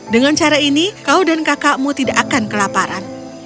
dengan cara ini kau dan kakakmu tidak akan kelaparan